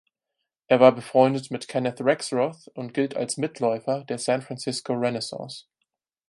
Er war befreundet mit Kenneth Rexroth und gilt als „Mitläufer“ der San Francisco Renaissance.